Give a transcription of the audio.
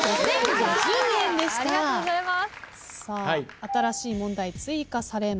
さあ新しい問題追加されます。